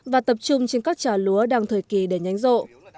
và tập trung trên các trà lúa đang thời kỳ để nhánh rộ